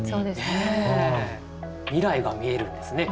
未来が見えるんですね